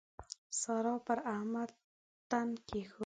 سارا پر احمد تن کېښود.